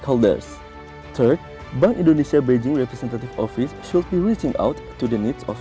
kedua bank indonesia beijing representatif office harus mencapai kebutuhan pelanggan